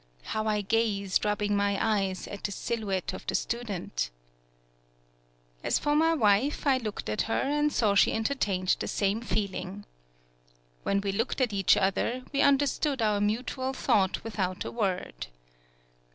How I gazed, rubbing my eyes, at the silhouette of the student ! As for my wife, I looked at her and saw she entertained the same feeling. When we looked at each other, we un derstood our mutual thought without a word.